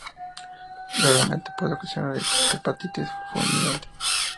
Raramente puede ocasionar hepatitis fulminante.